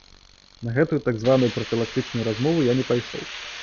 На гэтую так званую прафілактычную размову я не пайшоў.